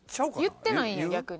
言ってないんや逆に。